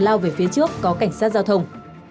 lao về phía trước có cảnh sát giao thông